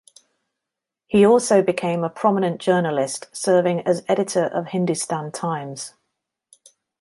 He also became a prominent journalist, serving as editor of "Hindustan Times".